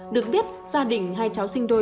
được biết gia đình hai cháu sinh đôi